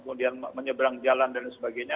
kemudian menyeberang jalan dan sebagainya